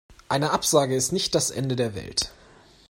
Eine Absage ist nicht das Ende der Welt.